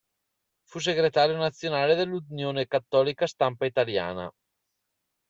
Fu segretario nazionale dell'Unione cattolica stampa italiana.